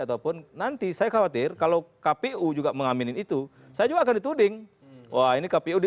ataupun nanti saya khawatir kalau kpu juga mengaminin itu saya juga akan dituding wah ini kpu di